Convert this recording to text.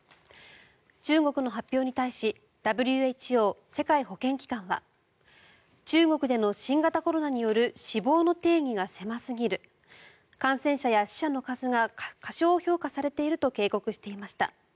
中国の発表に対しＷＨＯ・世界保健機関は中国での新型コロナによる死亡の定義が狭すぎる感染者や死者の数が過小評価されていると警告していました。